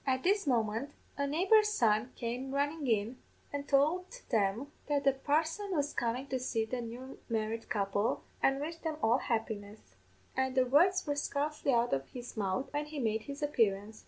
"At this moment a neighbour's son came runnin' in, an' tould them that the parson was comin' to see the new married couple, an' wish them all happiness; an' the words were scarcely out of his mouth when he made his appearance.